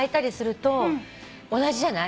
同じじゃない？